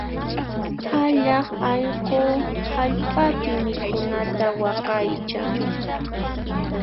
Allaq allqu hallp'api mikhunanta waqaychan.